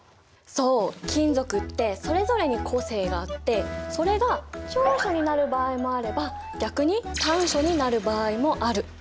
そう金属ってそれぞれに個性があってそれが長所になる場合もあれば逆に短所になる場合もある。